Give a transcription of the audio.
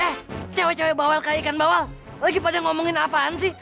eh cewek cewek bawa ke ikan bawal lagi pada ngomongin apaan sih